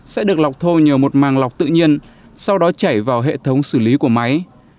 sẽ được lọc thô nhờ một màng lọc tự nhiên sau đó chảy vào hệ thống xử lý của máy